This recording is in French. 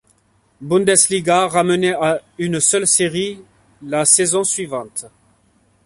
Bundesliga ramenée à une seule série la saison suivante.